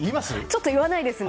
ちょっと言わないですね。